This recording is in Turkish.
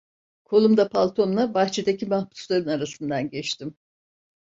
Kolumda paltomla bahçedeki mahpusların arasından geçtim.